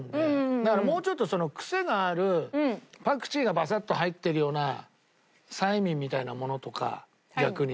だからもうちょっとクセがあるパクチーがバサッと入ってるようなサイミンみたいなものとか逆に。